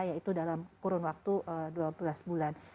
yaitu dalam kurun waktu dua belas bulan